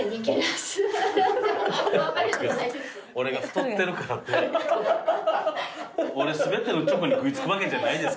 俺が太ってるからって俺全てのチョコに食い付くわけじゃないですから。